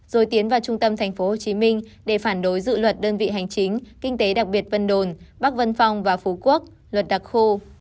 rồi tiến vào trung tâm tp hcm để phản đối dự luật đơn vị hành chính kinh tế đặc biệt vân đồn bắc vân phong và phú quốc luật đặc khu